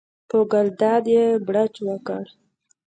په ګلداد یې بړچ وکړ.